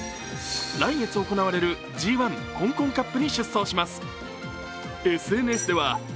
来月行われるＧⅠ香港カップに出走します。